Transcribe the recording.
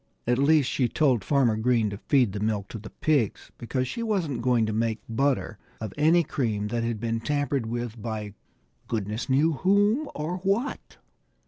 At least, she told Farmer Green to feed the milk to the pigs, because she wasn't going to make butter of any cream that had been tampered with by goodness knew whom or what.